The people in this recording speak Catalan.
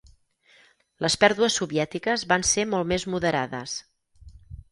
Les pèrdues soviètiques van ser molt més moderades.